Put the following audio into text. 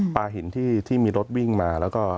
ปลาหินที่มีรถวิ่งมาแล้วก็